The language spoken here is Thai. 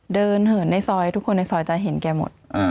เหินในซอยทุกคนในซอยจะเห็นแกหมด